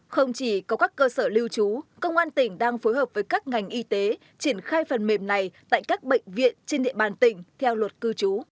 không chỉ có các cơ sở lưu trú công an tỉnh đang phối hợp với các ngành y tế triển khai phần mềm này tại các bệnh viện trên địa bàn tỉnh theo luật cư trú